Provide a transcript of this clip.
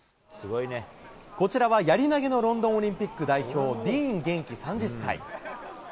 こちらはやり投げのロンドンオリンピック代表、ディーン元気３０歳。